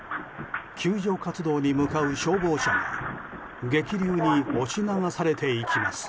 救助活動に向かう消防車が激流に押し流されていきます。